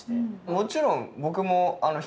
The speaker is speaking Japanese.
もちろん僕もあの。